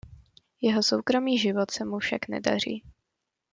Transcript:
Jeho soukromý život se mu však nedaří.